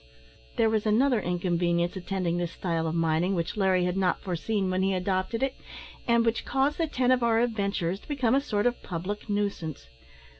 There was another inconvenience attending this style of mining which Larry had not foreseen when he adopted it, and which caused the tent of our adventurers to become a sort of public nuisance.